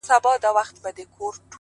دغه ياغي خـلـگـو بــه منـلاى نـــه-